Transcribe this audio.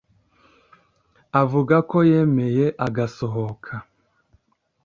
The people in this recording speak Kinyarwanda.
avuga ko yemeye agasohoka